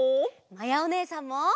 まやおねえさんも！